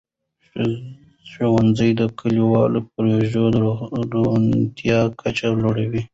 ښوونځي د کلیوالو پروژو د روڼتیا کچه لوړوي.